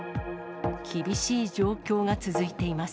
厳しい状況が続いています。